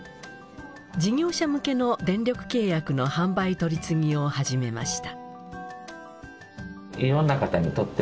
事業者向けの電力契約の販売取次を始めました。